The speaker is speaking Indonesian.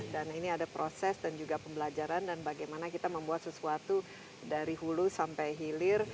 dan ini ada proses dan juga pembelajaran dan bagaimana kita membuat sesuatu dari hulu sampai hilir